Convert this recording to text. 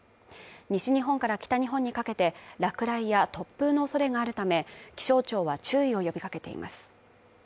西日本から北日本にかけて落雷や突風のおそれがあるため、気象庁は注意を呼びかけています